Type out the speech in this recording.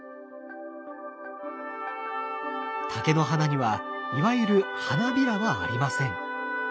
竹の花にはいわゆる花びらはありません。